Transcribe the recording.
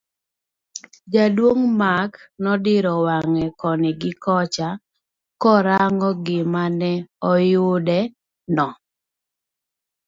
Jaduong' Mark nodiro wang'e koni gi kocha korango gima ne oyude no.